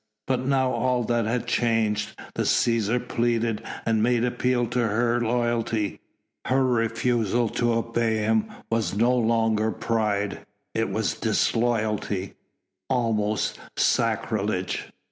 But now all that had changed. The Cæsar pleaded and made appeal to her loyalty. Her refusal to obey him was no longer pride, it was disloyalty almost sacrilege.